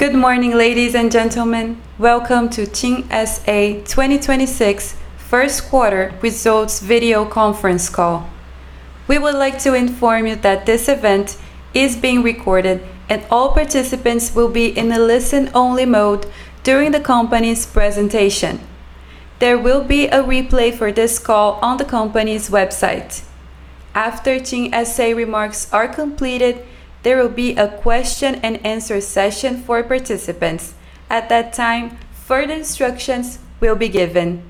Good morning, ladies and gentlemen. Welcome to TIM S.A. 2026 first quarter results video conference call. We would like to inform you that this event is being recorded and all participants will be in a listen-only mode during the company's presentation. There will be a replay for this call on the company's website. After TIM S.A. remarks are completed, there will be a question and answer session for participants. At that time, further instructions will be given.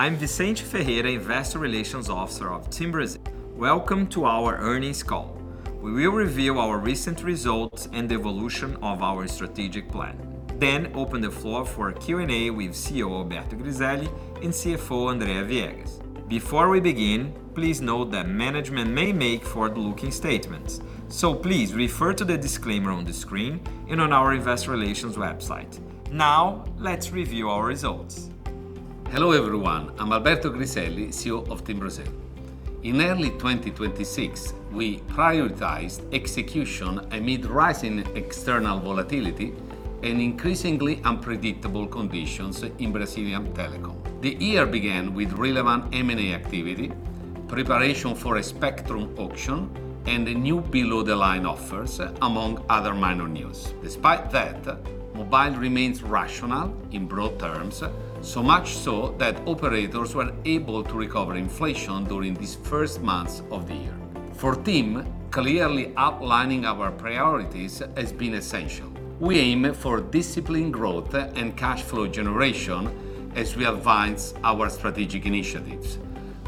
Hello, I'm Vicente Ferreira, Investor Relations Officer of TIM Brasil. Welcome to our earnings call. We will review our recent results and the evolution of our strategic plan, then open the floor for Q&A with CEO Alberto Griselli and CFO Andrea Viegas. Before we begin, please note that management may make forward-looking statements, so please refer to the disclaimer on the screen and on our investor relations website. Now, let's review our results. Hello, everyone. I'm Alberto Griselli, CEO of TIM Brasil. In early 2026, we prioritized execution amid rising external volatility and increasingly unpredictable conditions in Brazilian telecom. The year began with relevant M&A activity, preparation for a spectrum auction, and the new below-the-line offers, among other minor news. Despite that, Mobile remains rational in broad terms, so much so that operators were able to recover inflation during these first months of the year. For TIM, clearly outlining our priorities has been essential. We aim for disciplined growth and cash flow generation as we advance our strategic initiatives.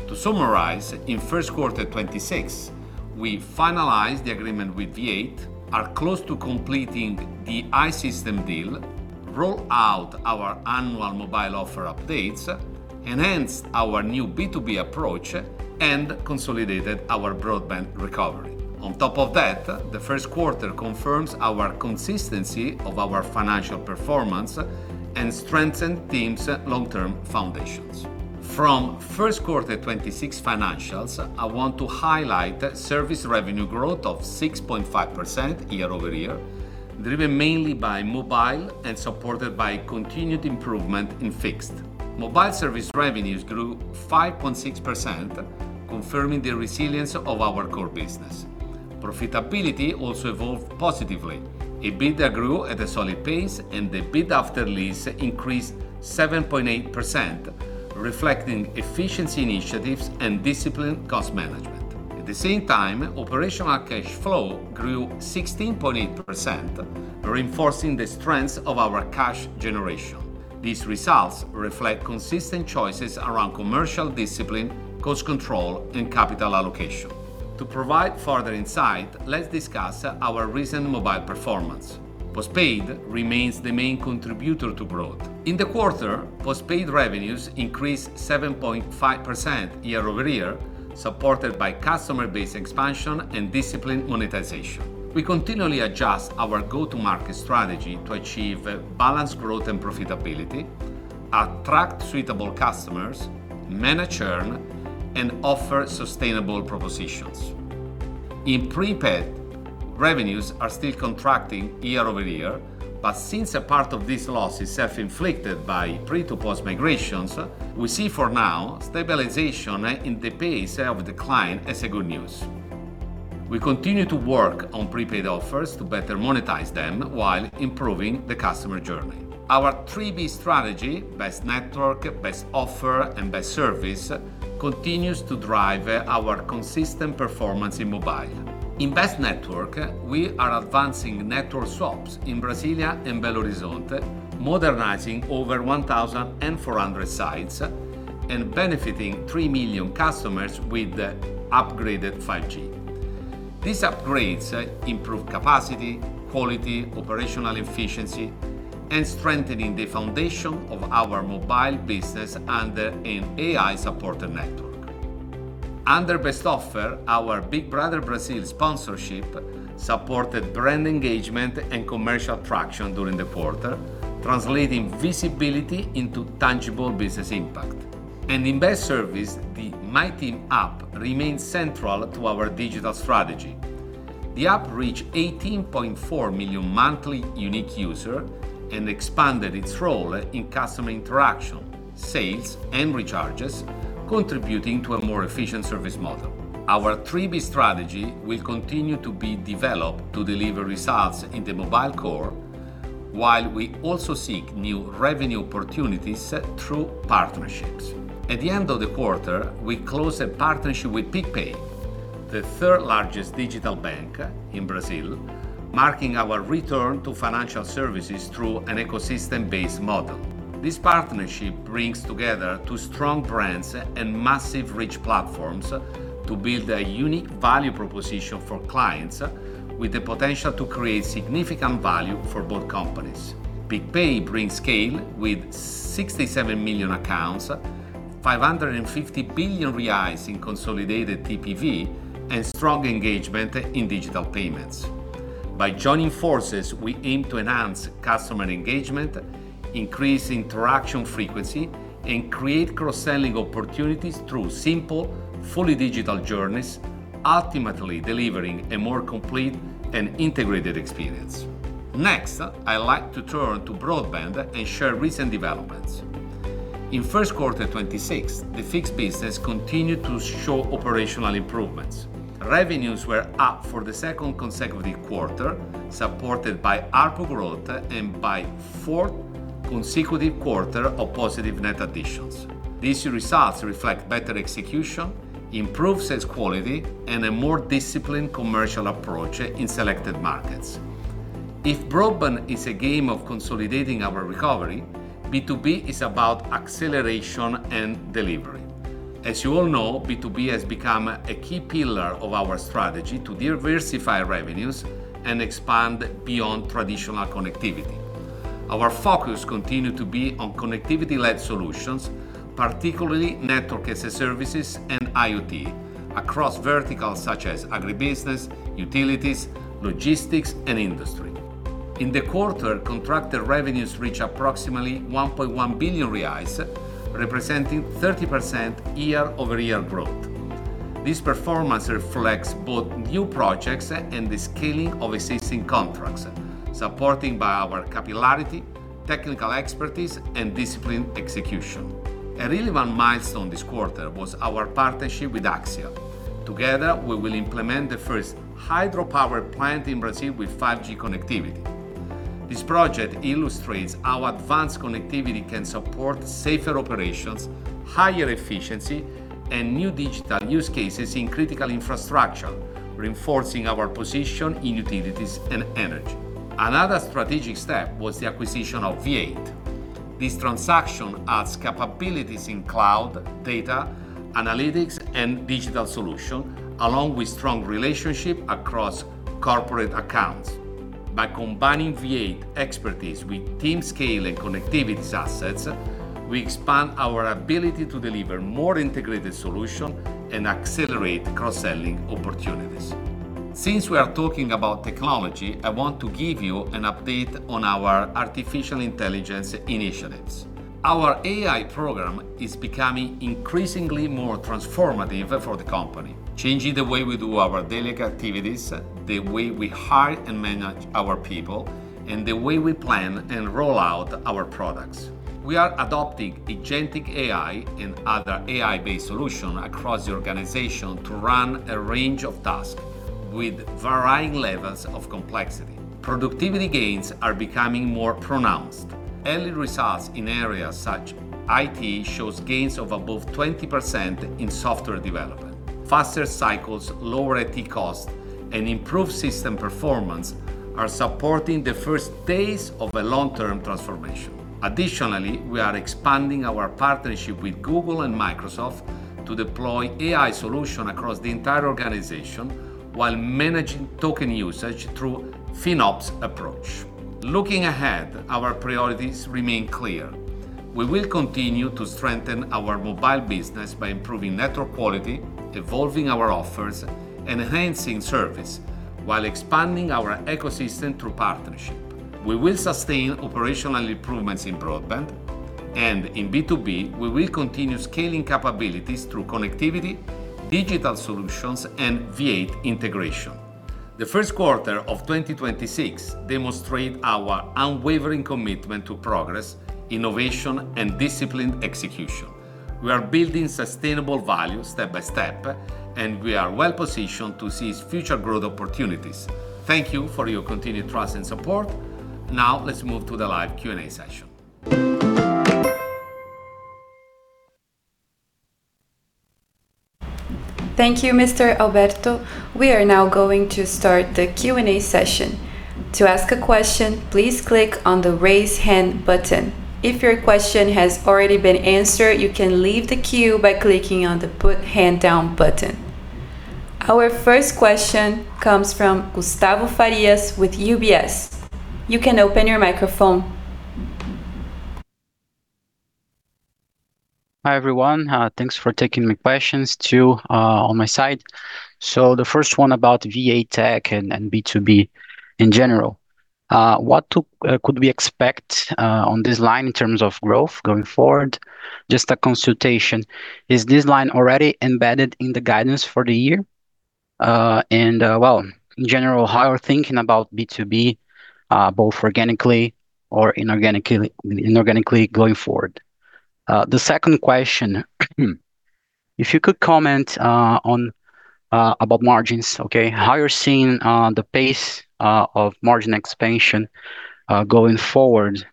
To summarize, in first quarter 2026, we finalized the agreement with V8, are close to completing the I-Systems deal, rolled out our annual Mobile offer updates, enhanced our new B2B approach, and consolidated our Broadband recovery. On top of that, the first quarter confirms our consistency of our financial performance and strengthened TIM's long-term foundations. From first quarter 2026 financials, I want to highlight service revenue growth of 6.5% year-over-year, driven mainly by Mobile and supported by continued improvement in fixed. Mobile service revenues grew 5.6%, confirming the resilience of our core business. Profitability also evolved positively. EBITDA grew at a solid pace, and the EBITDA after lease increased 7.8%, reflecting efficiency initiatives and disciplined cost management. At the same time, operational cash flow grew 16.8%, reinforcing the strength of our cash generation. These results reflect consistent choices around commercial discipline, cost control, and capital allocation. To provide further insight, let's discuss our recent Mobile performance. Postpaid remains the main contributor to growth. In the quarter, postpaid revenues increased 7.5% year-over-year, supported by customer base expansion and disciplined monetization. We continually adjust our go-to-market strategy to achieve balanced growth and profitability, attract suitable customers, manage churn, and offer sustainable propositions. In prepaid, revenues are still contracting year-over-year, since a part of this loss is self-inflicted by pre to post migrations, we see, for now, stabilization in the pace of decline as a good news. We continue to work on prepaid offers to better monetize them while improving the customer journey. Our 3B strategy, best network, best offer, and best service, continues to drive our consistent performance in Mobile. In best network, we are advancing network swaps in Brasilia and Belo Horizonte, modernizing over 1,400 sites, and benefiting 3 million customers with the upgraded 5G. These upgrades improve capacity, quality, operational efficiency, and strengthening the foundation of our Mobile business under an AI-supported network. Under best offer, our Big Brother Brasil sponsorship supported brand engagement and commercial traction during the quarter, translating visibility into tangible business impact. In best service, the MyTIM app remains central to our digital strategy. The app reached 18.4 million monthly unique user and expanded its role in customer interaction, sales, and recharges, contributing to a more efficient service model. Our three B strategy will continue to be developed to deliver results in the Mobile core, while we also seek new revenue opportunities through partnerships. At the end of the quarter, we closed a partnership with PicPay. The third largest digital bank in Brazil, marking our return to financial services through an ecosystem-based model. This partnership brings together two strong brands and massive, rich platforms to build a unique value proposition for clients with the potential to create significant value for both companies. PicPay brings scale with 67 million accounts, 550 billion reais in consolidated TPV, and strong engagement in digital payments. By joining forces, we aim to enhance customer engagement, increase interaction frequency, and create cross-selling opportunities through simple, fully digital journeys, ultimately delivering a more complete and integrated experience. Next, I like to turn to Broadband and share recent developments. In first quarter 2026, the fixed business continued to show operational improvements. Revenues were up for the second consecutive quarter, supported by ARPU growth and by fourth consecutive quarter of positive net additions. These results reflect better execution, improved sales quality, and a more disciplined commercial approach in selected markets. If Broadband is a game of consolidating our recovery, B2B is about acceleration and delivery. As you all know, B2B has become a key pillar of our strategy to diversify revenues and expand beyond traditional connectivity. Our focus continue to be on connectivity-led solutions, particularly network as a services and IoT across verticals such as agribusiness, utilities, logistics, and industry. In the quarter, contracted revenues reached approximately 1.1 billion reais, representing 30% year-over-year growth. This performance reflects both new projects and the scaling of existing contracts, supporting by our capillarity, technical expertise, and disciplined execution. A relevant milestone this quarter was our partnership with Axia. Together, we will implement the first hydro-powered plant in Brazil with 5G connectivity. This project illustrates how advanced connectivity can support safer operations, higher efficiency, and new digital use cases in critical infrastructure, reinforcing our position in utilities and energy. Another strategic step was the acquisition of V8. This transaction adds capabilities in cloud, data, analytics, and digital solution, along with strong relationship across corporate accounts. By combining V8 expertise with TIM Scale and Connectivity's assets, we expand our ability to deliver more integrated solution and accelerate cross-selling opportunities. Since we are talking about technology, I want to give you an update on our artificial intelligence initiatives. Our AI program is becoming increasingly more transformative for the company, changing the way we do our daily activities, the way we hire and manage our people, and the way we plan and roll out our products. We are adopting agentic AI and other AI-based solution across the organization to run a range of tasks with varying levels of complexity. Productivity gains are becoming more pronounced. Early results in areas such IT shows gains of above 20% in software development. Faster cycles, lower IT costs, and improved system performance are supporting the first phase of a long-term transformation. Additionally, we are expanding our partnership with Google and Microsoft to deploy AI solution across the entire organization while managing token usage through FinOps approach. Looking ahead, our priorities remain clear. We will continue to strengthen our Mobile business by improving network quality, evolving our offers, enhancing service, while expanding our ecosystem through partnership. We will sustain operational improvements in Broadband, and in B2B, we will continue scaling capabilities through connectivity, digital solutions, and V8 integration. The first quarter of 2026 demonstrate our unwavering commitment to progress, innovation, and disciplined execution. We are building sustainable value step by step, and we are well-positioned to seize future growth opportunities. Thank you for your continued trust and support. Now, let's move to the live Q&A session. Thank you, Mr. Alberto. We are now going to start the Q&A session. To ask a question, please click on the Raise Hand button. If your question has already been answered, you can leave the queue by clicking on the Put Hand Down button. Our first question comes from Gustavo Farias with UBS. You can open your microphone. Hi, everyone. Thanks for taking my questions too, on my side. The first one about V8.Tech and B2B in general. What could we expect on this line in terms of growth going forward? Just a consultation. Is this line already embedded in the guidance for the year? Well, in general, how you're thinking about B2B, both organically or inorganically going forward? The second question, if you could comment on about margins, okay? How you're seeing the pace of margin expansion going forward.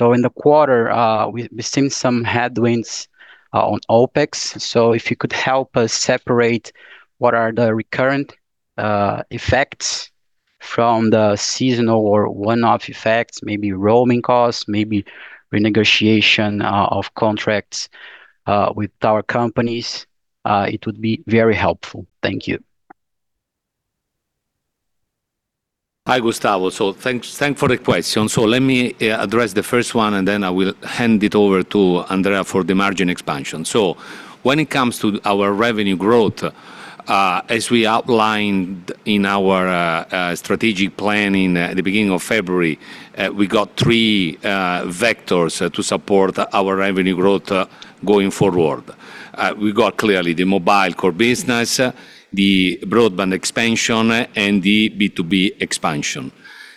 In the quarter, we've seen some headwinds on OpEx. If you could help us separate what are the recurrent effects from the seasonal or one-off effects, maybe roaming costs, maybe renegotiation of contracts with tower companies, it would be very helpful. Thank you. Hi, Gustavo. Thanks for the question. Let me address the first one and then I will hand it over to Andrea for the margin expansion. When it comes to our revenue growth, as we outlined in our strategic planning at the beginning of February, we got three vectors to support our revenue growth going forward. We got clearly the Mobile Core business, the Broadband Expansion, and the B2B Expansion.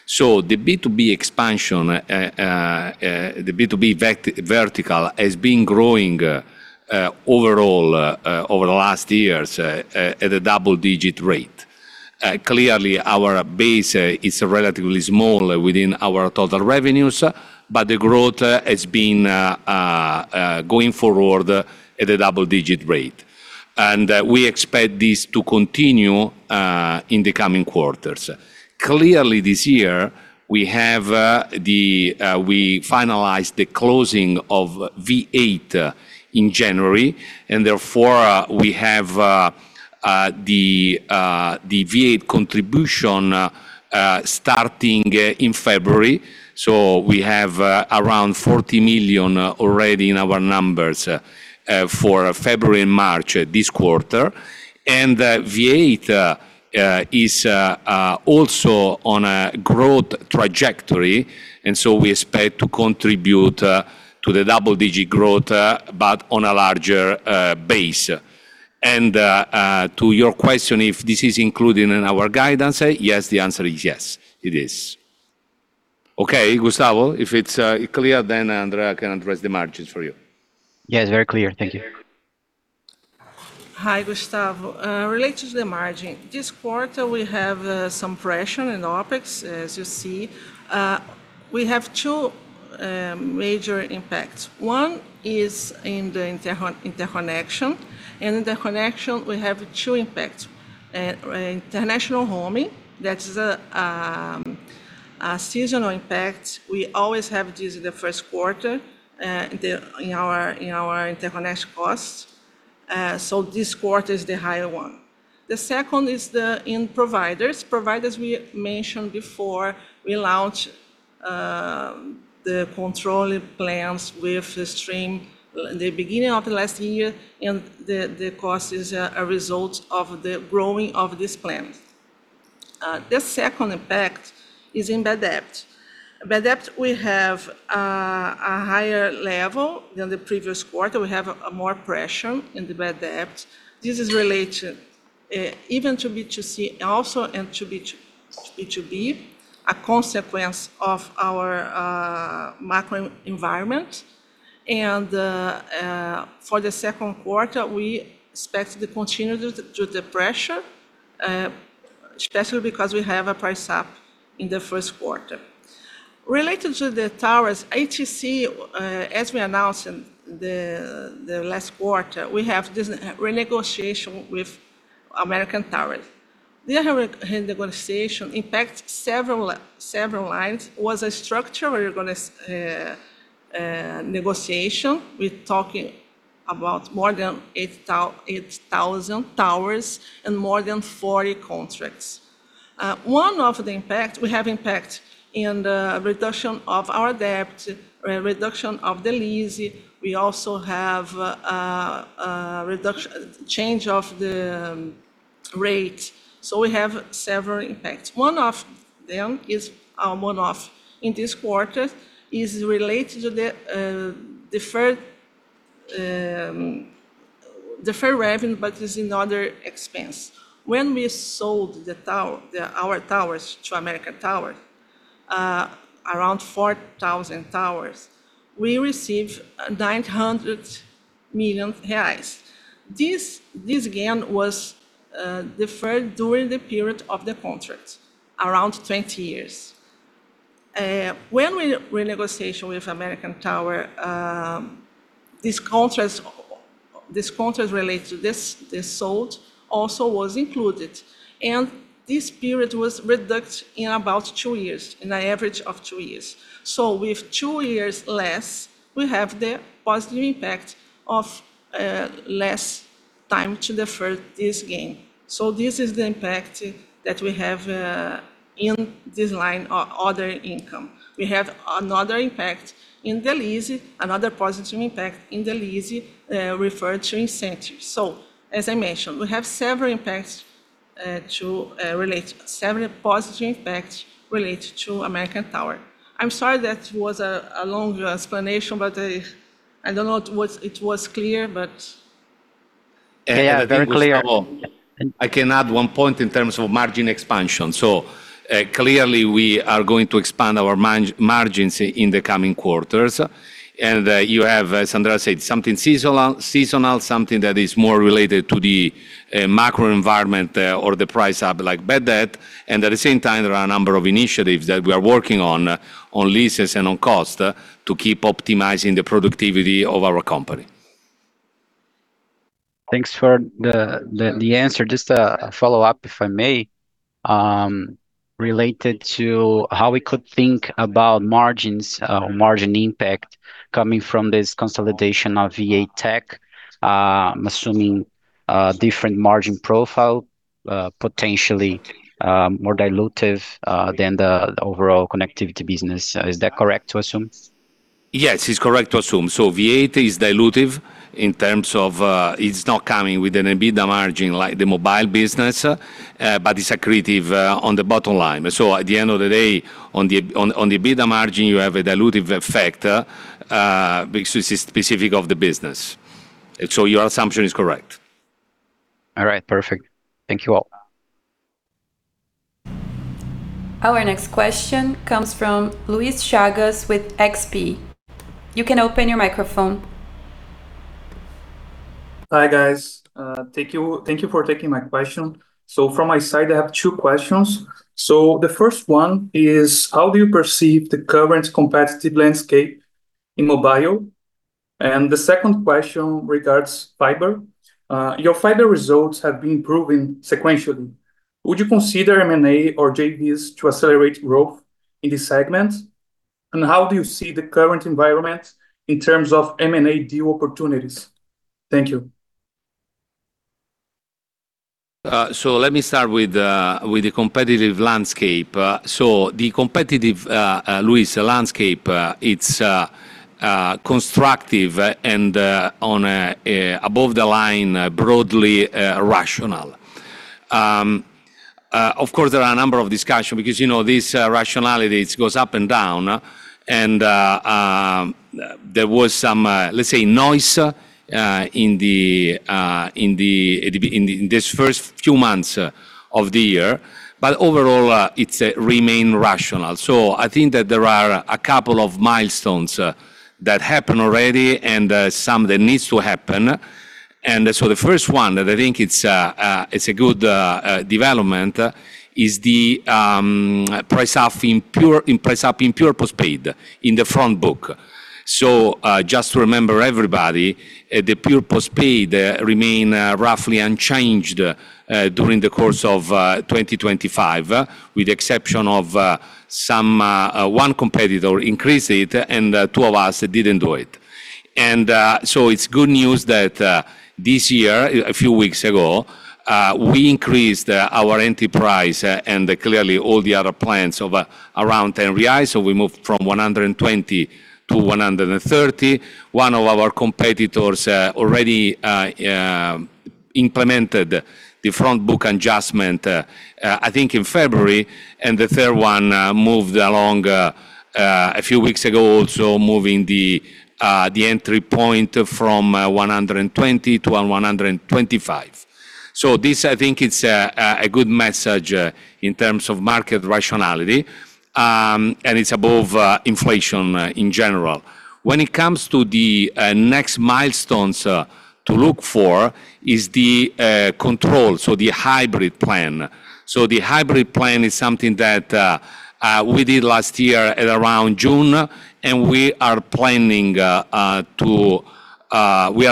The B2B expansion, the B2B vertical has been growing overall over the last years at a double-digit rate. Clearly, our base is relatively small within our total revenues, but the growth has been going forward at a double-digit rate. We expect this to continue in the coming quarters. Clearly, this year we have, we finalized the closing of V8 in January and therefore, we have the V8 contribution starting in February. We have around 40 million already in our numbers for February and March this quarter. V8 is also on a growth trajectory, and we expect to contribute to the double-digit growth, but on a larger base. To your question, if this is included in our guidance, yes. The answer is yes. It is. Okay, Gustavo, if it's clear, then Andrea can address the margins for you. Yeah, it's very clear. Thank you. Hi, Gustavo. Related to the margin, this quarter we have some pressure in OpEx, as you see. We have two major impacts. One is in the interconnection. In interconnection, we have two impacts. International roaming, that is a seasonal impact. We always have this in the first quarter, in our interconnection costs. This quarter is the higher one. The second is in providers. Providers, we mentioned before, we launch the control plans with the stream the beginning of the last year and the cost is a result of the growing of this plan. The second impact is in bad debt. Bad debt we have a higher level than the previous quarter. We have more pressure in the bad debt. This is related, even to B2C also, and to B2B, a consequence of our macro environment. For the second quarter, we expect to continue the pressure, especially because we have a price up in the first quarter. Related to the towers, ATC, as we announced in the last quarter, we have this renegotiation with American Tower. The renegotiation impact several lines. Was a structure negotiation. We're talking about more than 8,000 towers and more than 40 contracts. One of the impact, we have impact in the reduction of our debt, reduction of the lease. We also have reduction, change of the rate. We have several impacts. One of them is one-off in this quarter is related to the deferred deferred revenue but is in other expense. When we sold our towers to American Tower, around 4,000 towers, we received BRL 900 million. This gain was deferred during the period of the contract, around 20 years. When we renegotiation with American Tower, this contract related to this sold also was included. This period was reduced in about two years. In an average of two years. With two years less, we have the positive impact of less time to defer this gain. This is the impact that we have in this line, other income. We have another impact in the lease, another positive impact in the lease, referred to incentives. As I mentioned, we have several impacts to relate, several positive impacts related to American Tower. I'm sorry that was a long explanation, but I don't know it was clear. Yeah, very clear. Gustavo, I can add one point in terms of margin expansion. Clearly we are going to expand our margins in the coming quarters. You have, as Andrea said, something seasonal, something that is more related to the macro environment or the price up like bad debt. At the same time, there are a number of initiatives that we are working on leases and on cost to keep optimizing the productivity of our company. Thanks for the answer. Just a follow-up, if I may, related to how we could think about margins, or margin impact coming from this consolidation of V8.Tech. I'm assuming a different margin profile, potentially more dilutive, than the overall connectivity business. Is that correct to assume? Yes, it's correct to assume. V8 is dilutive in terms of, it's not coming with an EBITDA margin like the Mobile business, but it's accretive on the bottom line. At the end of the day, on the EBITDA margin, you have a dilutive effect, which is specific of the business. Your assumption is correct. All right. Perfect. Thank you all. Our next question comes from Luis Chagas with XP. You can open your microphone. Hi, guys. Thank you, thank you for taking my question. From my side, I have two questions. The first one is, how do you perceive the current competitive landscape in Mobile? The second question regards fiber. Your fiber results have been improving sequentially. Would you consider M&A or JVs to accelerate growth in this segment? How do you see the current environment in terms of M&A deal opportunities? Thank you Let me start with the competitive landscape. The competitive, Luis, landscape, it's constructive and on a above the line, broadly, rational. Of course, there are a number of discussion because, you know, this rationality, it goes up and down. There was some, let's say noise, in the in this first few months of the year. Overall, it's remain rational. I think that there are a couple of milestones that happened already and some that needs to happen. The first one that I think it's a good development is the price up in pure postpaid in the front book. just to remember everybody, the pure postpaid remain roughly unchanged during the course of 2025, with the exception of some one competitor increase it, and two of us didn't do it. It's good news that this year, a few weeks ago, we increased our entry price and clearly all the other plans of around 10. We moved from 120-130. 1 of our competitors already implemented the front book adjustment I think in February. The third one moved along a few weeks ago, also moving the entry point from 120-125. This, I think it's a good message in terms of market rationality. It's above inflation in general. When it comes to the next milestones to look for is the control, so the hybrid plan. The hybrid plan is something that we did last year at around June, and we are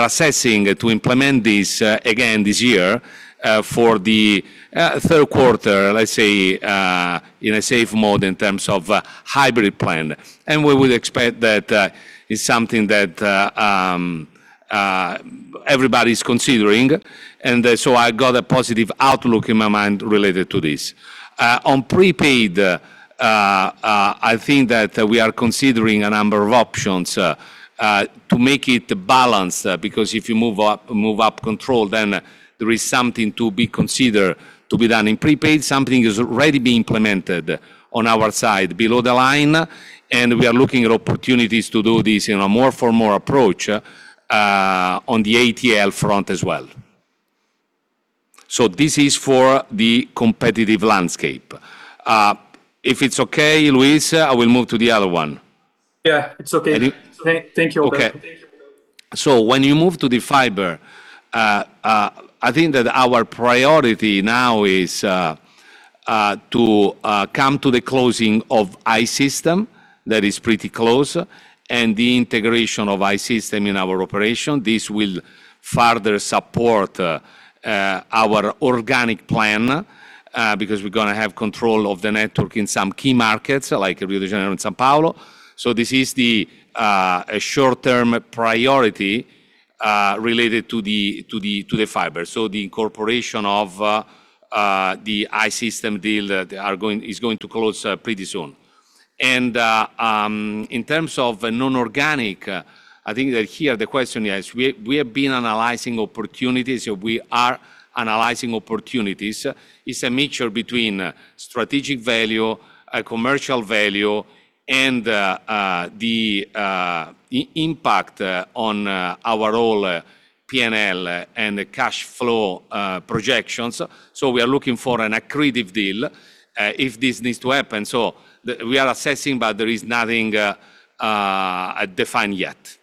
assessing to implement this again this year for the third quarter, let's say, in a safe mode in terms of a hybrid plan. We would expect that it's something that everybody's considering. I got a positive outlook in my mind related to this. On prepaid, I think that we are considering a number of options to make it balanced, because if you move up control, then there is something to be considered to be done in prepaid. Something is already being implemented on our side below the line, and we are looking at opportunities to do this in a More for More approach on the ATL front as well. This is for the competitive landscape. If it's okay, Luis, I will move to the other one. Yeah. It's okay. And you- Thank you. Okay. Thank you. When you move to the fiber, I think that our priority now is to come to the closing of I-Systems. That is pretty close. The integration of I-Systems in our operation. This will further support our organic plan because we're gonna have control of the network in some key markets, like Rio de Janeiro and São Paulo. This is the short-term priority related to the fiber. The incorporation of the I-Systems deal is going to close pretty soon. In terms of non-organic, I think that here the question is, we have been analyzing opportunities, we are analyzing opportunities. It's a mixture between strategic value, commercial value, and the impact on our role, P&L and the cash flow projections. We are looking for an accretive deal if this needs to happen. We are assessing, but there is nothing defined yet.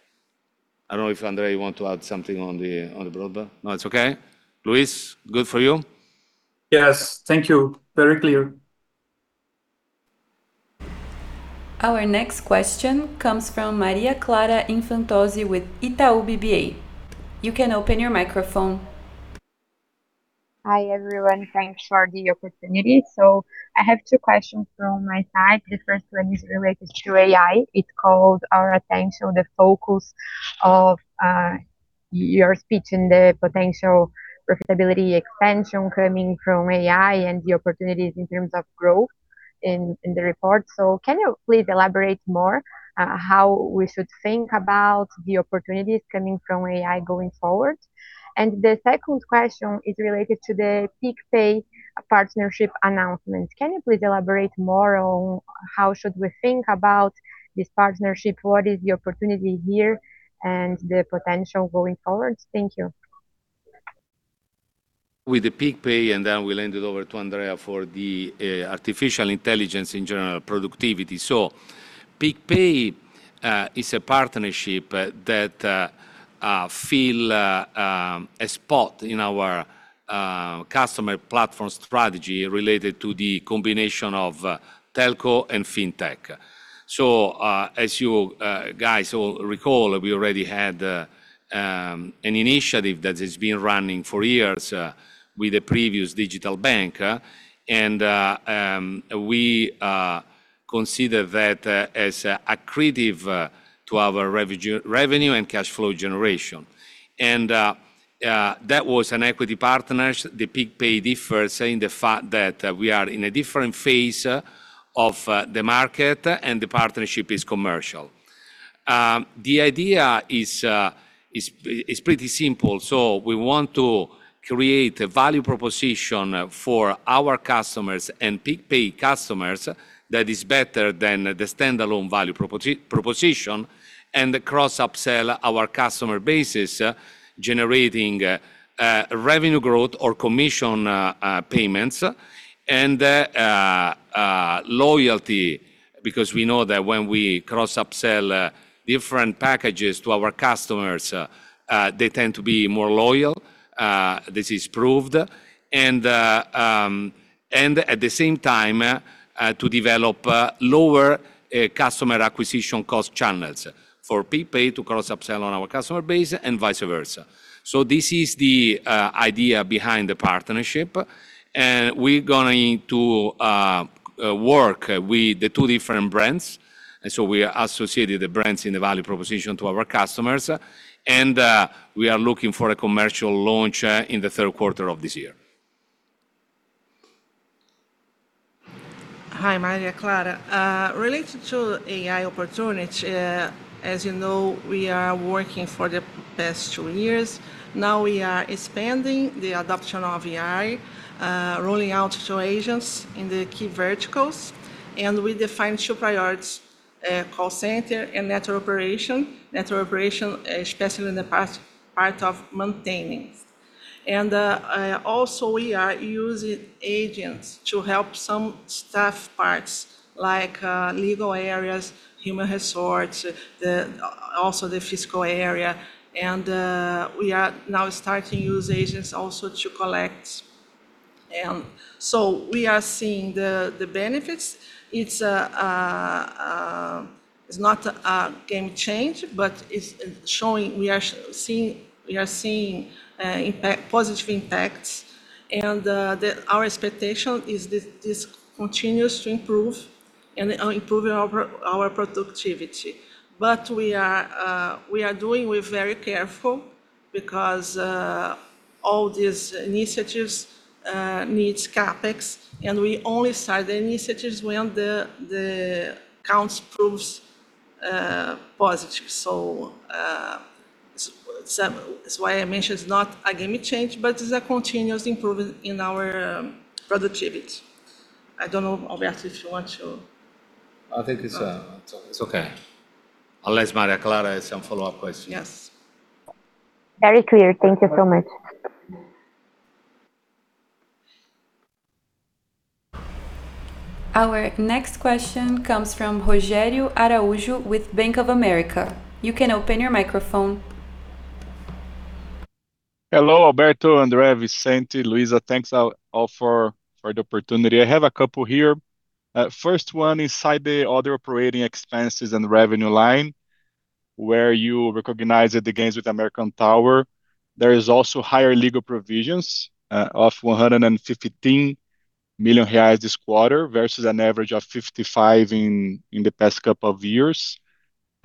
I don't know if, Andre, you want to add something on the Broadband. No, it's okay? Luis, good for you? Yes. Thank you. Very clear. Our next question comes from Maria Clara Infantozzi with Itaú BBA. You can open your microphone. Hi, everyone. Thanks for the opportunity. I have two questions from my side. The first one is related to AI. It called our attention, the focus of your speech and the potential profitability expansion coming from AI and the opportunities in terms of growth in the report. Can you please elaborate more how we should think about the opportunities coming from AI going forward? The second question is related to the PicPay partnership announcement. Can you please elaborate more on how should we think about this partnership? What is the opportunity here and the potential going forward? Thank you. With the PicPay, we'll hand it over to Andrea for the artificial intelligence in general productivity. PicPay is a partnership that fill a spot in our customer platform strategy related to the combination of telco and fintech. As you guys all recall, we already had an initiative that has been running for years with the previous digital bank. We consider that as accretive to our revenue and cash flow generation. That was an equity partners. The PicPay differs in the fact that we are in a different phase of the market and the partnership is commercial. The idea is pretty simple. We want to create a value proposition for our customers and PicPay customers that is better than the standalone value proposition. The cross-upsell our customer bases, generating revenue growth or commission payments. Loyalty, because we know that when we cross-upsell different packages to our customers, they tend to be more loyal. This is proved. At the same time, to develop lower customer acquisition cost channels for PicPay to cross-upsell on our customer base and vice versa. This is the idea behind the partnership. We're going to work with the two different brands. We associated the brands in the value proposition to our customers. We are looking for a commercial launch in the third quarter of this year. Hi, Maria Clara. Related to AI opportunity, as you know, we are working for the past two years. Now we are expanding the adoption of AI, rolling out to agents in the key verticals. We define two priorities, call center and network operation. Network operation, especially in the past part of maintaining. Also we are using agents to help some staff parts like legal areas, human resource, the, also the physical area. We are now starting to use agents also to collect. We are seeing the benefits. It's not a game change, but it's showing we are seeing positive impacts. The, our expectation is this continues to improve and improving our productivity. We are doing with very careful because all these initiatives needs CapEx, and we only start the initiatives when the accounts proves positive. That's why I mentioned it's not a game change, but it's a continuous improvement in our productivity. I don't know, Alberto, if you want to. I think it's okay. Unless Maria Clara has some follow-up questions. Yes. Very clear. Thank you so much. Our next question comes from Rogerio Araujo with Bank of America. You can open your microphone. Hello, Alberto, Andrea, Vicente, Luisa. Thanks, all for the opportunity. I have a couple here. First one, inside the other operating expenses and revenue line where you recognized the gains with American Tower. There is also higher legal provisions of 115 million reais this quarter versus an average of 55 in the past couple of years.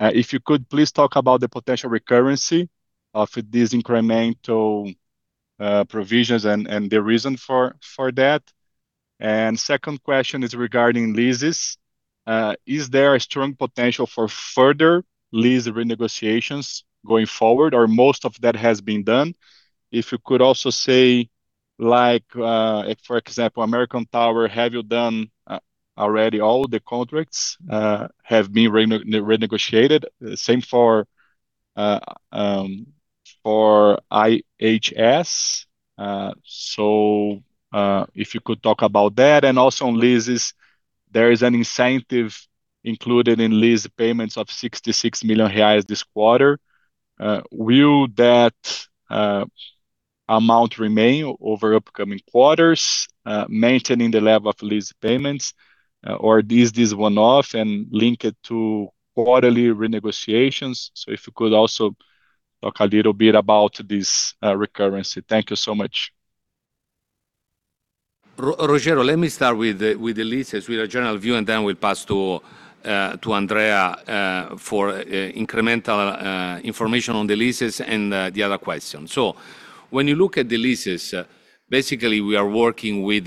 If you could, please talk about the potential recurrency of these incremental provisions and the reason for that. Second question is regarding leases. Is there a strong potential for further lease renegotiations going forward, or most of that has been done? If you could also say, like, for example, American Tower, have you done already all the contracts have been renegotiated? Same for IHS. If you could talk about that. Also on leases, there is an incentive included in lease payments of 66 million reais this quarter. Will that amount remain over upcoming quarters, maintaining the level of lease payments, or is this one-off and linked to quarterly renegotiations? If you could also talk a little bit about this recurrency. Thank you so much. Rogerio, let me start with the leases with a general view, then we'll pass to Andrea for incremental information on the leases and the other question. When you look at the leases, basically we are working with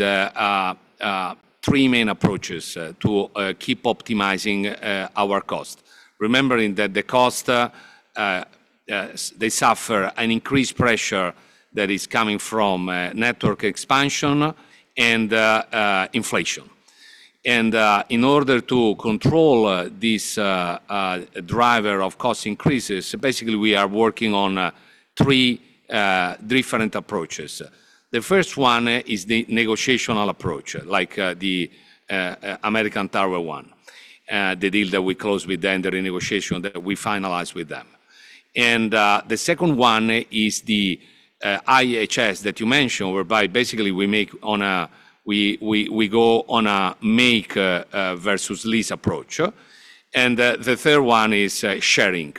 three main approaches to keep optimizing our cost. Remembering that the cost they suffer an increased pressure that is coming from network expansion and inflation. In order to control this driver of cost increases, basically we are working on three different approaches. The first one is the negotiational approach, like the American Tower one. The deal that we closed with them, the renegotiation that we finalized with them. The second one is the IHS that you mentioned, whereby basically we go on a make versus lease approach. The third one is sharing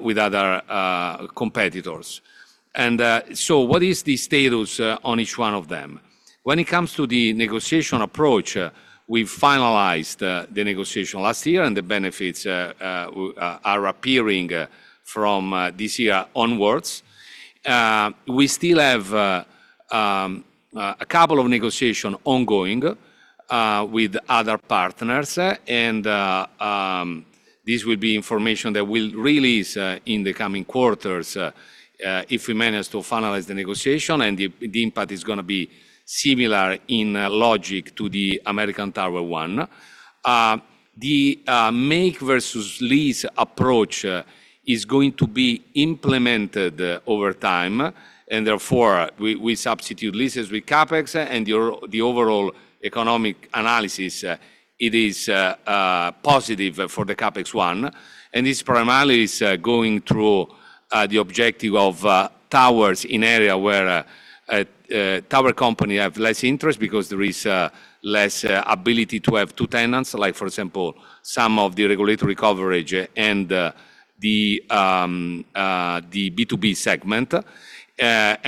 with other competitors. What is the status on each one of them? When it comes to the negotiation approach, we finalized the negotiation last year, and the benefits are appearing from this year onwards. We still have a couple of negotiation ongoing with other partners, and this will be information that we'll release in the coming quarters if we manage to finalize the negotiation. The impact is gonna be similar in logic to the American Tower one. The make versus lease approach is going to be implemented over time, and therefore we substitute leases with CapEx and the overall economic analysis, it is positive for the CapEx one. This primarily is going through the objective of towers in area where a tower company have less interest because there is less ability to have two tenants, like for example, some of the regulatory coverage and the B2B segment.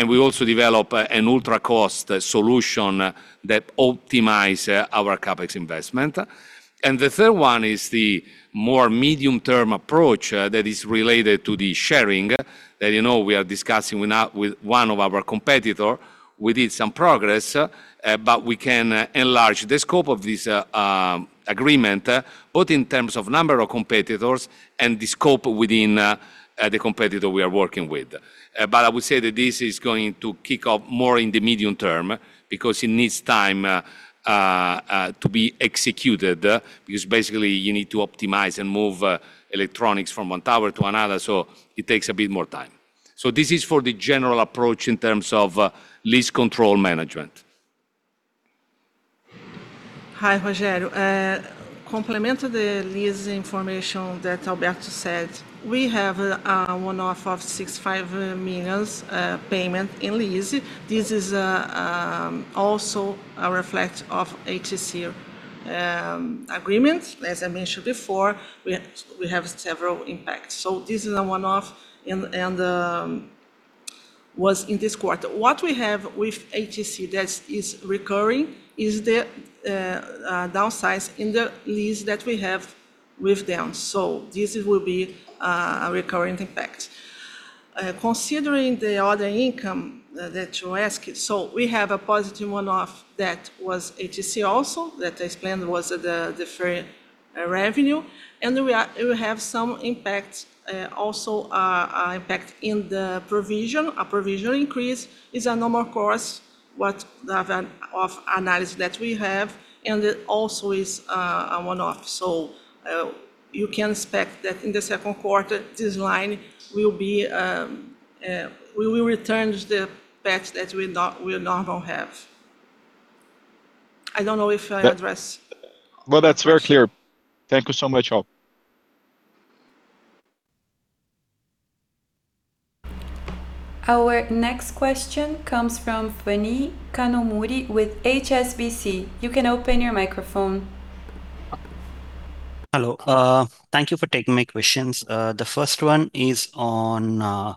We also develop an ultra-cost solution that optimize our CapEx investment. The third one is the more medium term approach that is related to the sharing, that you know we are discussing with one of our competitor. We did some progress, but we can enlarge the scope of this agreement, both in terms of number of competitors and the scope within the competitor we are working with. I would say that this is going to kick off more in the medium term because it needs time to be executed. Because basically you need to optimize and move electronics from one tower to another, so it takes a bit more time. This is for the general approach in terms of lease control management. Hi, Rogerio. Complement to the lease information that Alberto said, we have a one-off of 65 million payment in lease. This is also a reflect of ATC agreement. As I mentioned before, we have several impacts. This is a one-off and was in this quarter. What we have with ATC that is recurring is the downsize in the lease that we have with them. This will be a recurring impact. Considering the other income that you ask, we have a positive one-off that was ATC also, that I explained was the fair revenue. We have some impact, also impact in the provision. A provision increase is a normal course what the event of analysis that we have, and it also is a one-off. You can expect that in the second quarter, this line will be, will return to the path that we normal have. Well, that's very clear. Thank you so much all. Our next question comes from Phani Kanumuri with HSBC. You can open your microphone. Hello. Thank you for taking my questions. The first one is on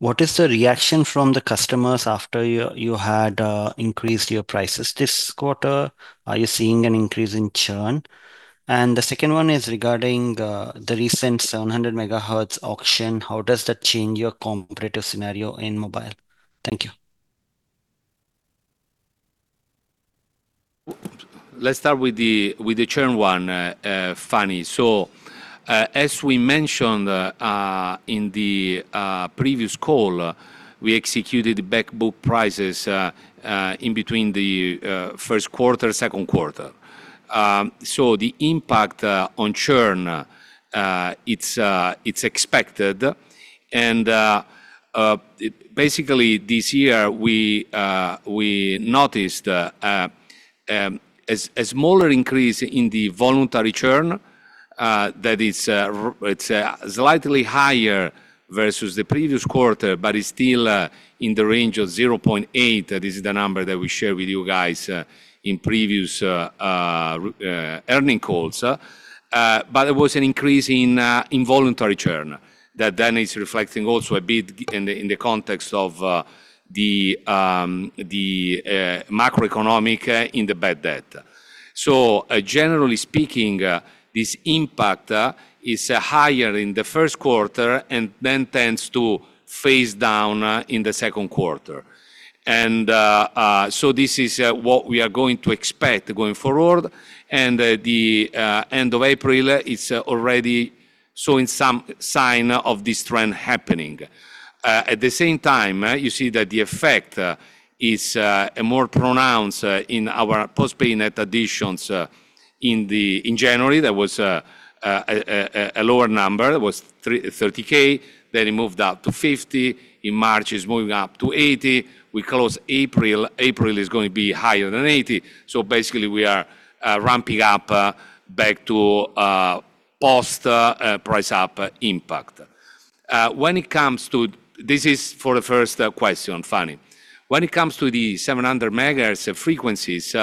what is the reaction from the customers after you had increased your prices this quarter? Are you seeing an increase in churn? The second one is regarding the recent 700 MHz auction. How does that change your competitive scenario in Mobile? Thank you. Let's start with the churn one, Phani. As we mentioned in the previous call, we executed back book prices in between the first quarter, second quarter. The impact on churn, it's expected. Basically this year, we noticed a smaller increase in the voluntary churn that is it's slightly higher versus the previous quarter but is still in the range of 0.8. That is the number that we share with you guys in previous earning calls. There was an increase in involuntary churn that then is reflecting also a bit in the context of the macroeconomic in the bad debt. Generally speaking, this impact is higher in the first quarter and then tends to phase down in the second quarter. This is what we are going to expect going forward, and the end of April is already showing some sign of this trend happening. At the same time, you see that the effect is more pronounced in our postpay net additions. In January, there was a lower number. It was 30,000, then it moved up to 50,000. In March, it's moving up to 80,000. We close April is going to be higher than 80,000. Basically, we are ramping up back to post price up impact. This is for the first question, Phani. When it comes to the 700 MHz frequencies,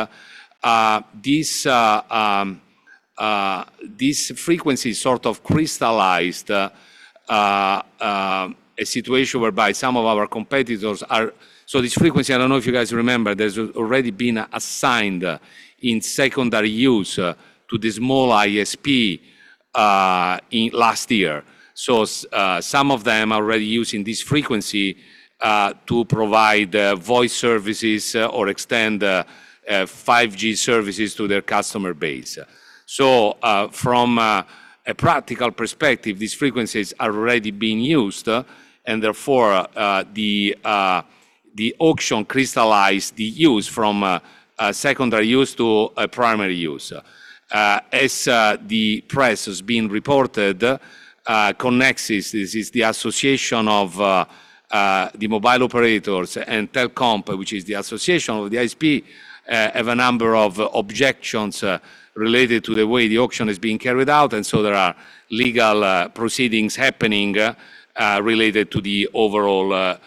these frequencies sort of crystallized a situation whereby some of our competitors are. This frequency, I don't know if you guys remember, that has already been assigned in secondary use to the small ISP in last year. Some of them are already using this frequency to provide voice services or extend 5G services to their customer base. From a practical perspective, these frequencies are already being used, and therefore, the auction crystallized the use from a secondary use to a primary use. As the press has been reported, Conexis, this is the association of the mobile operators, and TelComp, which is the association of the ISP, have a number of objections related to the way the auction is being carried out. There are legal proceedings happening related to the overall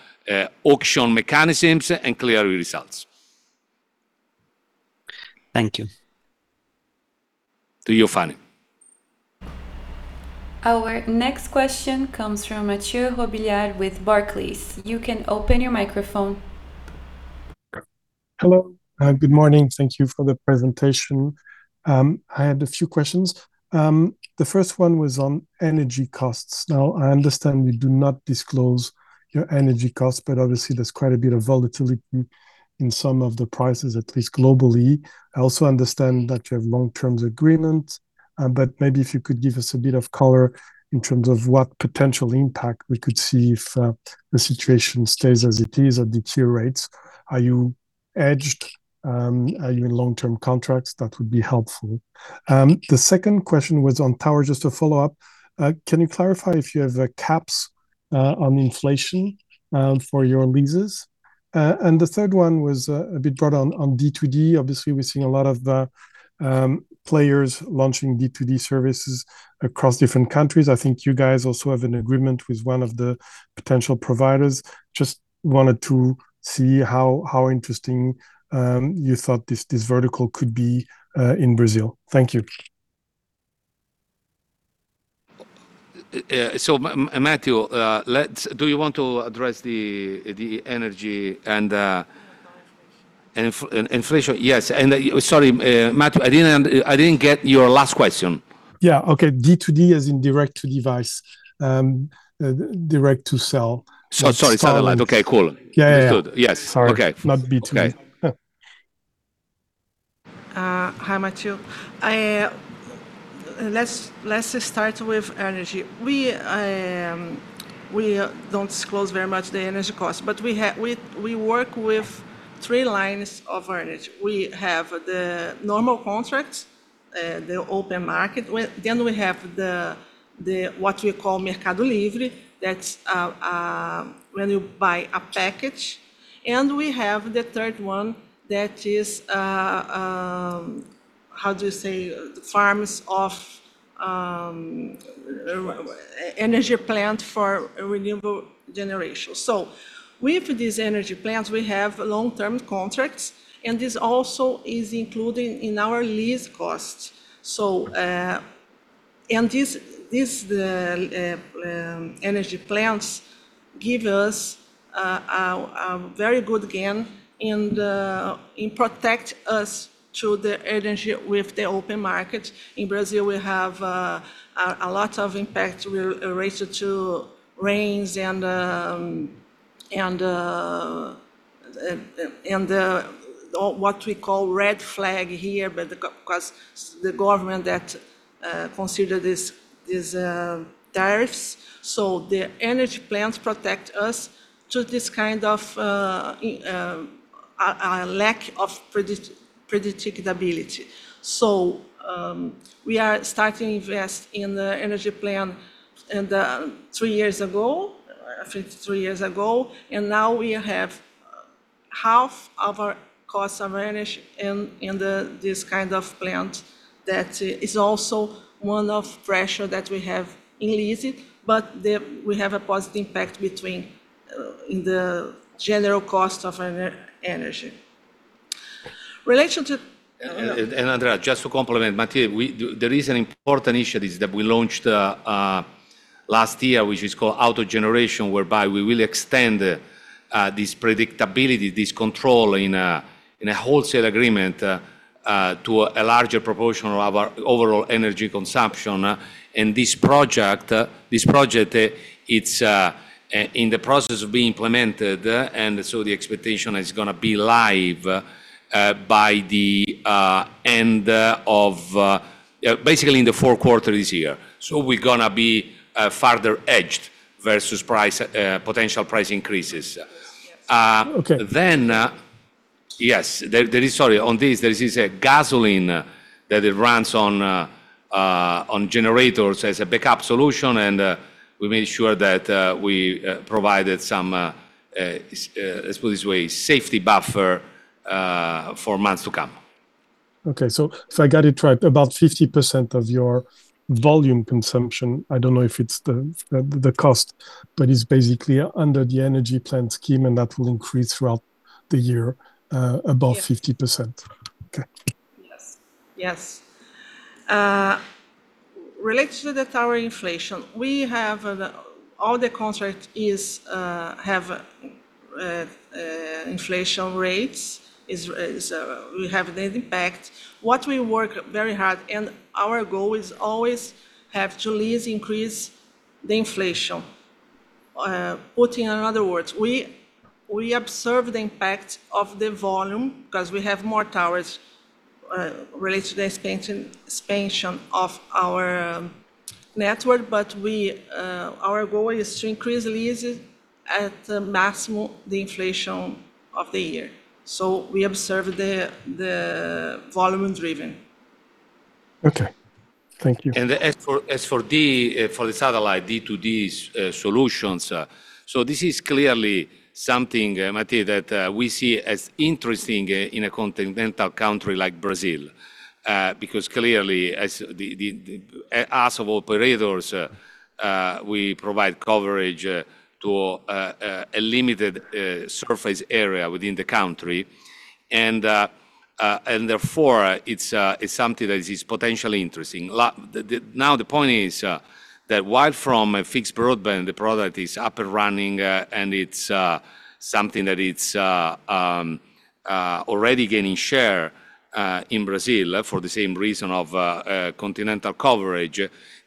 auction mechanisms and clear results. Thank you. To you, Phani. Our next question comes from Mathieu Robillard with Barclays. You can open your microphone. Hello. Good morning. Thank you for the presentation. I had a few questions. The first one was on energy costs. Now, I understand you do not disclose your energy costs, but obviously there's quite a bit of volatility in some of the prices, at least globally. I also understand that you have long-term agreement, but maybe if you could give us a bit of color in terms of what potential impact we could see if the situation stays as it is at the tier rates. Are you hedged? Are you in long-term contracts? That would be helpful. The second question was on tower, just to follow up. Can you clarify if you have caps on inflation for your leases? The third one was a bit broad, on D2D. Obviously, we're seeing a lot of the players launching D2D services across different countries. I think you guys also have an agreement with one of the potential providers. Just wanted to see how interesting you thought this vertical could be in Brazil. Thank you. Mathieu, do you want to address the energy and? On inflation. inflation, yes. sorry, Mathieu, I didn't get your last question. Yeah. Okay. D2D as in direct to device. direct to cell. Sorry, satellite. Satellite. Okay, cool. Yeah, yeah. Understood. Yes. Sorry. Okay. Not B2C. Okay. Hi, Mathieu. Let's just start with energy. We don't disclose very much the energy cost, but we work with three lines of energy. We have the Normal Contracts, the Open Market. Then we have what we call Mercado Livre, that's when you buy a package, and we have the third one that is, how do you say? Farms of energy plant for renewable generation. With these energy plants, we have long-term contracts, and this also is including in our lease costs. And these energy plants give us a very good gain and protect us to the energy with the open market. In Brazil, we have a lot of impact related to rains and what we call red flag here, because the government that consider this tariffs. The energy plants protect us to this kind of a lack of predictability. We are starting invest in the energy plant in the, three years ago. I think three years ago. Now we have half of our costs are managed in this kind of plant that is also one of pressure that we have in leasing. We have a positive impact between in the general cost of energy. Relation to- Andrea, just to complement Mathieu, there is an important issue that we launched last year, which is called auto generation, whereby we will extend this predictability, this control in a wholesale agreement to a larger proportion of our overall energy consumption. This project, it's in the process of being implemented. The expectation is gonna be live by the end of basically in the four quarters this year. We're gonna be farther edged versus price, potential price increases. Okay. Yes. There is, sorry, on this, there is this gasoline that it runs on generators as a backup solution. We made sure that we provided some, let's put it this way, safety buffer for months to come. Okay. If I got it right, about 50% of your volume consumption, I don't know if it's the cost, but it's basically under the energy plan scheme, and that will increase throughout the year. Yes above 50%. Okay. Yes. Yes. Related to the tower inflation, we have all the contract is have inflation rates. We have the impact. What we work very hard and our goal is always have to least increase the inflation. Putting in other words, we observe the impact of the volume 'cause we have more towers related to the expansion of our network. We our goal is to increase leases at the maximum the inflation of the year. We observe the volume driven. Okay. Thank you. As for the D2D solutions, this is clearly something, Mathieu, that we see as interesting in a continental country like Brazil. Because clearly as operators, we provide coverage to a limited surface area within the country. Therefore, it's something that is potentially interesting. Now the point is that while from a fixed Broadband the product is up and running, and it's something that it's already gaining share in Brazil, for the same reason of continental coverage.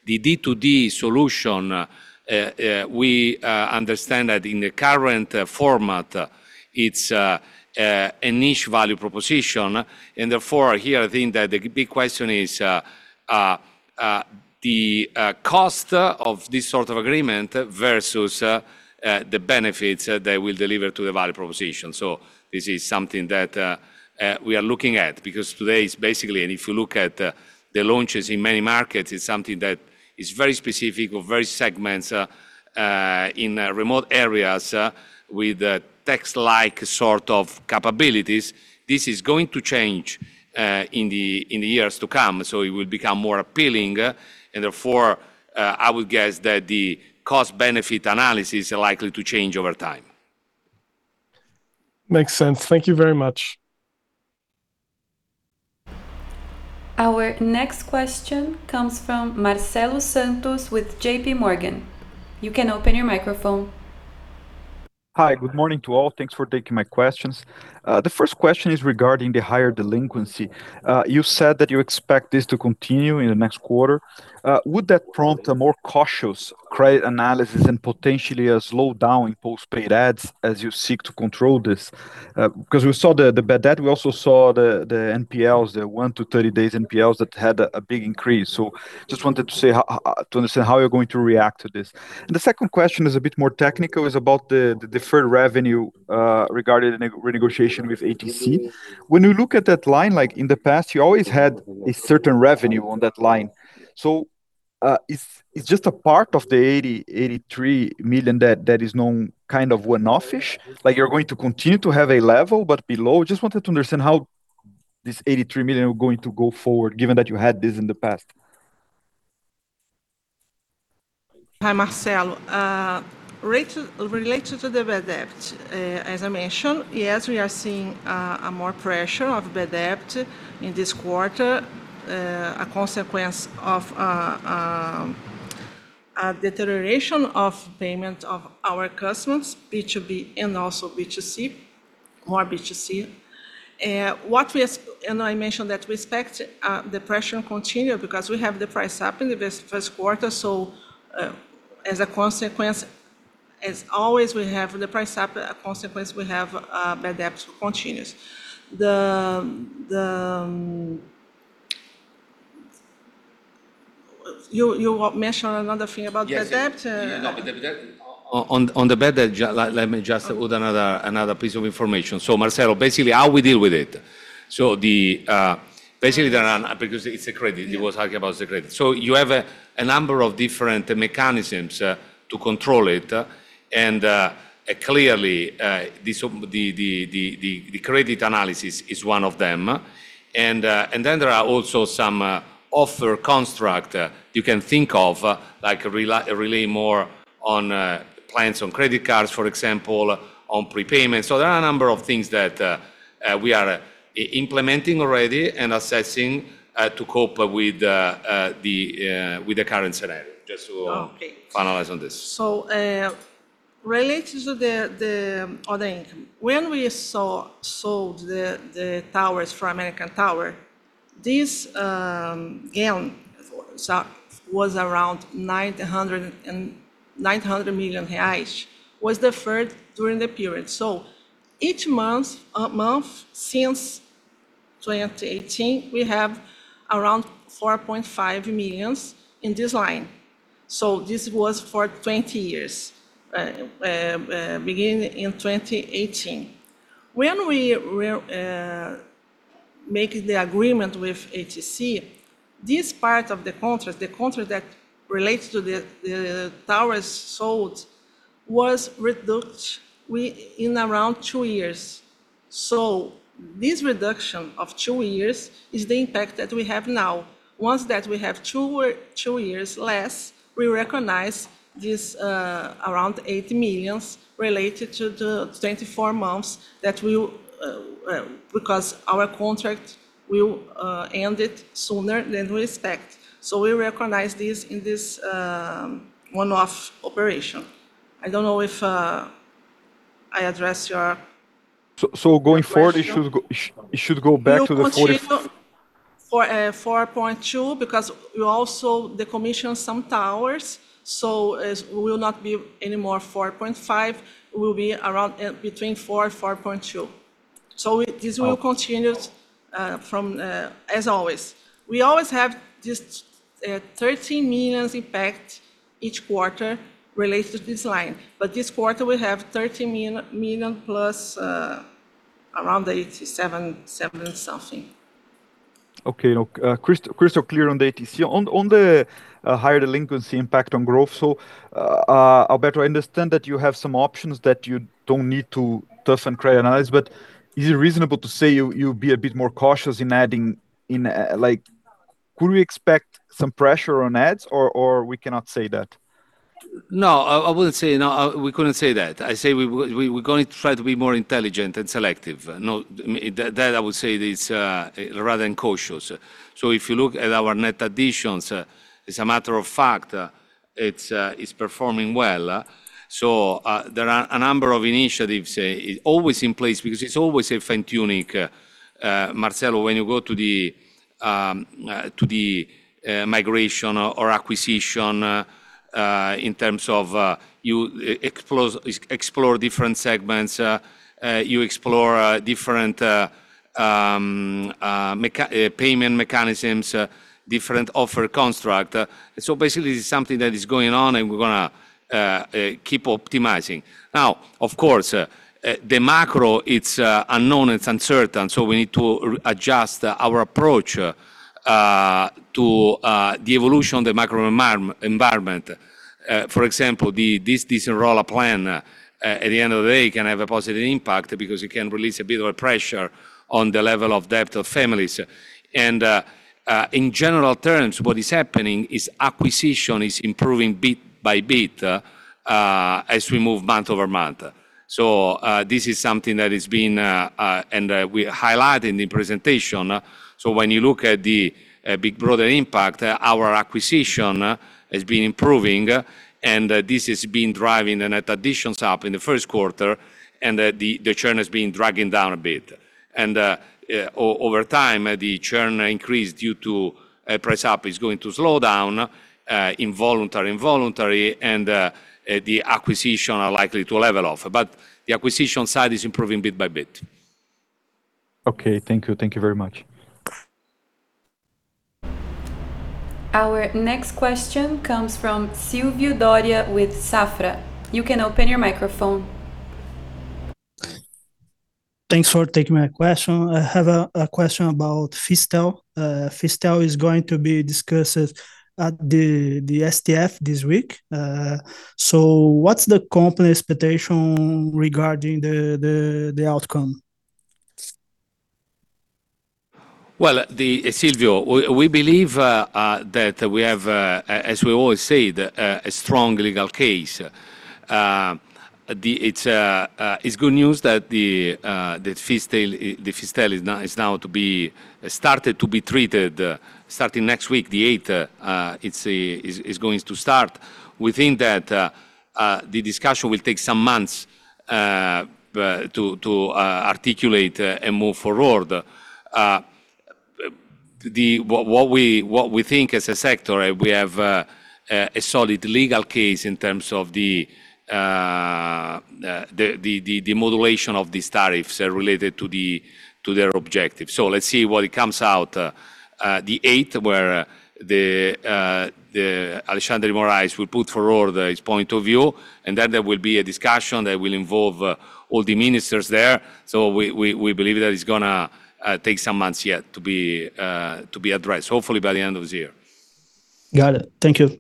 The D2D solution, we understand that in the current format, it's a niche value proposition. Therefore, here I think that the big question is, the cost of this sort of agreement versus the benefits that we deliver to the value proposition. This is something that we are looking at. Today it's basically, and if you look at the launches in many markets, it's something that is very specific or very segments in remote areas with text-like sort of capabilities. This is going to change in the years to come, so it will become more appealing. Therefore, I would guess that the cost-benefit analysis are likely to change over time. Makes sense. Thank you very much. Our next question comes from Marcelo Santos with JPMorgan. You can open your microphone. Hi. Good morning to all. Thanks for taking my questions. The first question is regarding the higher delinquency. You said that you expect this to continue in the next quarter. Would that prompt a more cautious credit analysis and potentially a slowdown in postpaid adds as you seek to control this? Because we saw the bad debt, we also saw the NPLs, the one to 30 days NPLs that had a big increase. Just wanted to say how to understand how you're going to react to this. The second question is a bit more technical. It's about the deferred revenue regarding a renegotiation with ATC. When you look at that line, like in the past, you always had a certain revenue on that line. Is just a part of the 83 million debt that is known, kind of one-off-ish? You're going to continue to have a level but below? Just wanted to understand how this 83 million are going to go forward given that you had this in the past. Hi, Marcelo. related to the bad debt, as I mentioned, yes, we are seeing a more pressure of bad debt in this quarter. A consequence of a deterioration of payment of our customers, B2B and also B2C, more B2C. I mentioned that we expect the pressure continue because we have the price up in the first quarter. As a consequence, as always, we have the price up, a consequence we have bad debts continues. You mentioned another thing about the debt. Yes. No, but the debt, let me just put another piece of information. Marcelo, basically how we deal with it. Basically, because it's a credit. He was talking about the credit. You have a number of different mechanisms to control it, and clearly, the credit analysis is one of them. Then there are also some offer construct you can think of, like relying more on clients on credit cards, for example, on prepayment. There are a number of things that we are implementing already and assessing to cope with the current scenario. Okay finalize on this. Related to the other income. When we sold the towers for American Tower, this gain was around 900 million reais, was deferred during the period. Each month since 2018, we have around 4.5 million in this line. This was for 20 years, beginning in 2018. When we make the agreement with ATC, this part of the contract that relates to the towers sold, was reduced in around two years. This reduction of two years is the impact that we have now. Once that we have two years less, we recognize this around 80 million related to the 24 months that because our contract will end it sooner than we expect. We recognize this in this one-off operation. I don't know if I addressed your question. going forward it should go back to the 40-. We will continue for 4.2 million because we also decommission some towers, so as will not be any more 4.5 million, it will be around between 4 million and 4.2 million. Okay This will continue from as always. We always have this 13 million impact each quarter related to this line, but this quarter we have 13 million+ around 87.7. Okay. Look, crystal clear on the ATC. On the higher delinquency impact on growth. Alberto, I understand that you have some options that you don't need to tough and crystallize, is it reasonable to say you'll be a bit more cautious in adding, like could we expect some pressure on adds or we cannot say that? No. I wouldn't say, no, we couldn't say that. I say we're going to try to be more intelligent and selective. I mean, that I would say is rather than cautious. If you look at our net additions, as a matter of fact, it's performing well. There are a number of initiatives always in place because it's always a fine-tuning. Marcelo, when you go to the migration or acquisition in terms of you explore different segments, you explore different payment mechanisms, different offer construct. Basically this is something that is going on and we're gonna keep optimizing. Of course, the macro, it's unknown, it's uncertain. We need to readjust our approach to the evolution of the macro environment. For example, this Desenrola plan, at the end of the day, can have a positive impact because it can release a bit of pressure on the level of debt of families. In general terms, what is happening is acquisition is improving bit by bit, as we move month-over-month. This is something that has been, and we highlight in the presentation. When you look at the big broader impact, our acquisition has been improving, and this has been driving the net additions up in the first quarter and the churn has been dragging down a bit. Over time, the churn increase due to price up is going to slow down, involuntary, and the acquisition are likely to level off. The acquisition side is improving bit by bit. Okay. Thank you. Thank you very much. Our next question comes from Silvio Dória with Safra. You can open your microphone. Thanks for taking my question. I have a question about FISTEL. FISTEL is going to be discussed at the STF this week. What's the company expectation regarding the outcome? Well, Silvio, we believe that we have, as we always say, a strong legal case. It's good news that FISTEL is now to be treated, starting next week, the eighth. It's going to start. We think that the discussion will take some months to articulate and move forward. What we think as a sector, we have a solid legal case in terms of the moderation of these tariffs related to their objective. Let's see what it comes out, the eighth, where the Alexandre Moraes will put forward his point of view, and then there will be a discussion that will involve all the ministers there. We believe that it's gonna take some months yet to be addressed, hopefully by the end of this year. Got it. Thank you.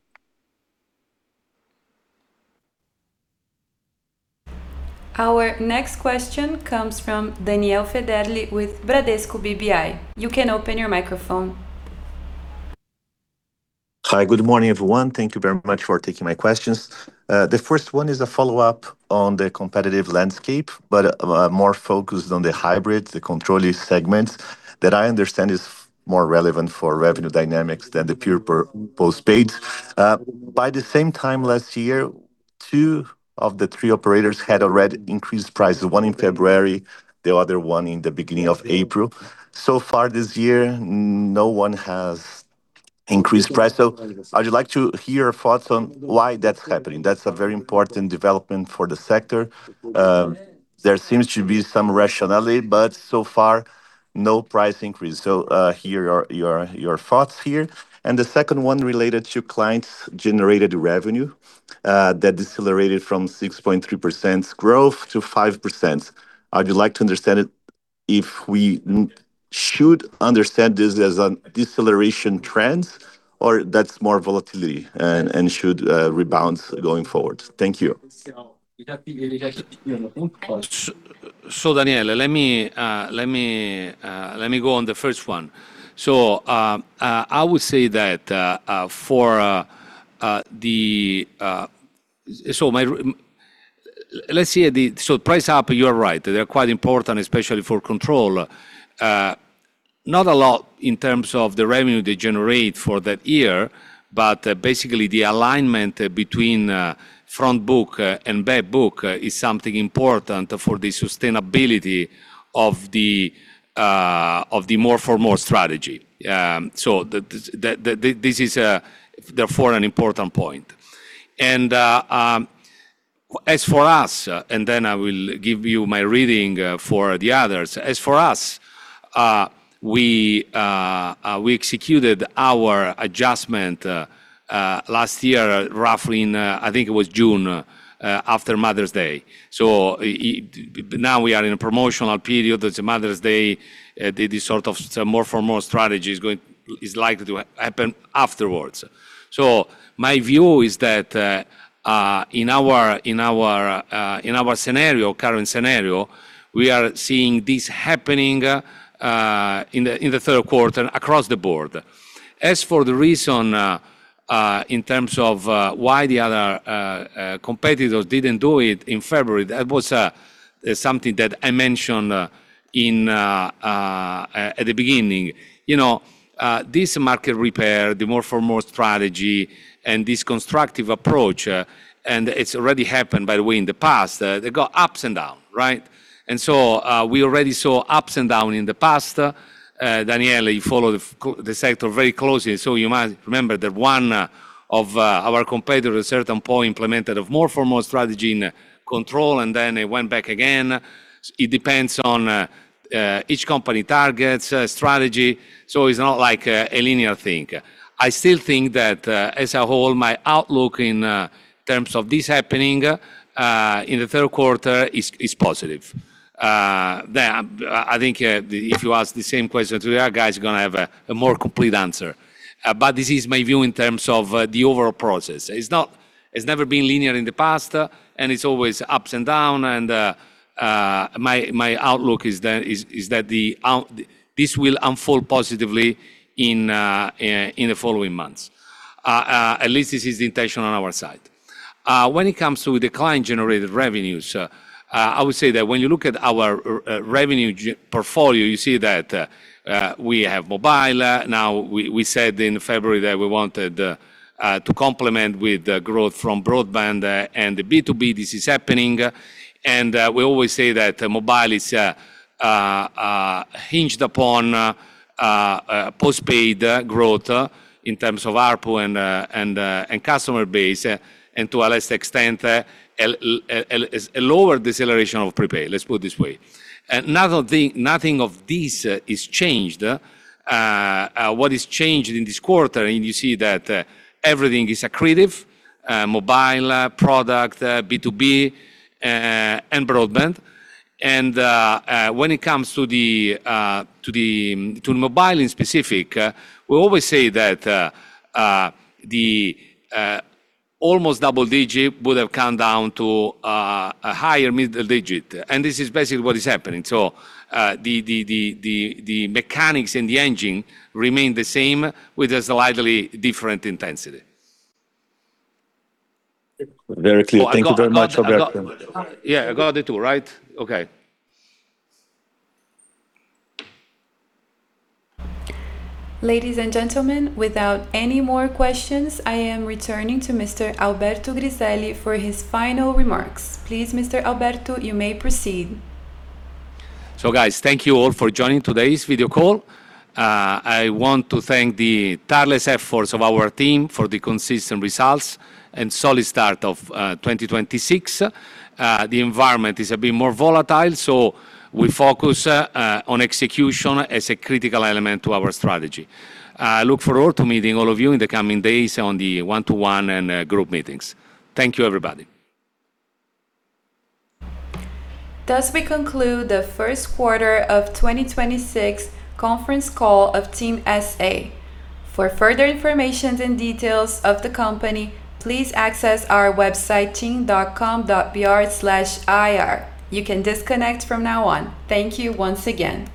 Our next question comes from Daniel Federle with Bradesco BBI. You can open your microphone. Hi. Good morning, everyone. Thank you very much for taking my questions. The 1st 1 is a follow-up on the competitive landscape, but more focused on the hybrid, the control segment that I understand is more relevant for revenue dynamics than the pure per postpaid. By the same time last year, two of the three operators had already increased prices, one in February, the other one in the beginning of April. Far this year, no one has increased price. I would like to hear your thoughts on why that's happening. That's a very important development for the sector. There seems to be some rationality, but so far, no price increase. hear your thoughts here. The second one related to clients generated revenue that decelerated from 6.3% growth to 5%. I would like to understand it if we should understand this as a deceleration trend or that's more volatility and should rebound going forward. Thank you. Daniel, let me go on the first one. I would say that for the. Let's say the price up, you are right. They're quite important, especially for control. Not a lot in terms of the revenue they generate for that year. Basically the alignment between front book and back book is something important for the sustainability of the More for More strategy. This is therefore an important point. As for us, and then I will give you my reading for the others. As for us, we executed our adjustment last year, roughly in, I think it was June, after Mother's Day. It now we are in a promotional period. It's Mother's Day. This sort of More for More strategy is going, is likely to happen afterwards. My view is that in our scenario, current scenario, we are seeing this happening in the third quarter across the board. As for the reason, in terms of why the other competitors didn't do it in February, that was something that I mentioned at the beginning. You know, this market repair, the More for More strategy and this constructive approach, and it's already happened, by the way, in the past. They got ups and down, right? We already saw ups and down in the past. Daniel Federle, you follow the sector very closely, so you might remember that one of our competitors at a certain point implemented a More for More strategy in control, and then it went back again. It depends on each company targets strategy. It's not like a linear thing. I still think that as a whole, my outlook in terms of this happening in the third quarter is positive. The, I think, if you ask the same question to the other guys, you're gonna have a more complete answer. This is my view in terms of the overall process. It's never been linear in the past, and it's always ups and down. My outlook is that This will unfold positively in the following months. At least this is the intention on our side. When it comes to the client-generated revenues, I would say that when you look at our revenue portfolio, you see that we have Mobile. Now, we said in February that we wanted to complement with the growth from Broadband and the B2B. This is happening. We always say that Mobile is hinged upon postpaid growth in terms of ARPU and customer base and to a less extent a lower deceleration of prepay. Let's put it this way. Nothing of this is changed. What is changed in this quarter, and you see that everything is accretive, Mobile product, B2B, and Broadband. When it comes to Mobile in specific, we always say that the almost double digit would have come down to a higher middle digit, and this is basically what is happening. The mechanics in the engine remain the same with a slightly different intensity. Very clear. Thank you very much, Alberto. Yeah, I got it too, right? Okay. Ladies and gentlemen, without any more questions, I am returning to Mr. Alberto Griselli for his final remarks. Please, Mr. Alberto, you may proceed. Guys, thank you all for joining today's video call. I want to thank the tireless efforts of our team for the consistent results and solid start of 2026. The environment is a bit more volatile, we focus on execution as a critical element to our strategy. I look forward to meeting all of you in the coming days on the one-to-one and group meetings. Thank you, everybody. Thus, we conclude the first quarter of 2026 conference call of TIM S.A. For further informations and details of the company, please access our website, ri.tim.com.br. You can disconnect from now on. Thank you once again.